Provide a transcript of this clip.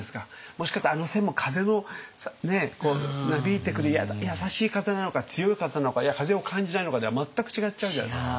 もしかしたらあの線も風のなびいてくる優しい風なのか強い風なのか風を感じないのかでは全く違っちゃうじゃないですか。